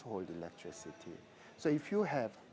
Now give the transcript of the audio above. memerlukan empat puluh juta